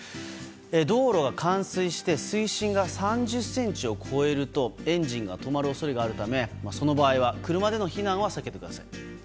道路が冠水して水深が３０ｃｍを超えるとエンジンが止まる恐れがあるためその場合は車での避難は避けてください。